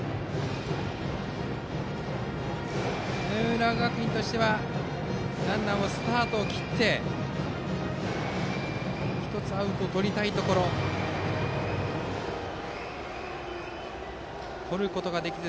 浦和学院としてはランナーもスタートを切っていて１つアウトをとりたいところでとることができず